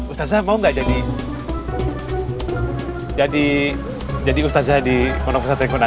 ustazah mau gak jadi ustazah di konopusa trikonanta